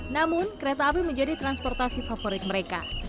namun kereta api menjadi transportasi favorit mereka